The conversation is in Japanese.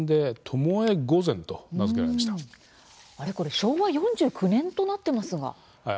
昭和４９年となってますが？